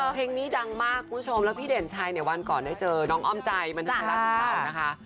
เพลงนี้ดังมากคุณผู้ชมแล้วพี่เด่นชัยเนี่ยวันก่อนได้เจอน้องอ้อมใจบันเทิงไทยรัฐของเรานะคะ